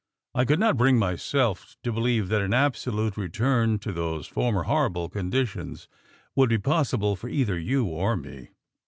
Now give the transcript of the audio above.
I could not bring myself to believe that an absolute return to those former horrible conditions would be possible for either you or me.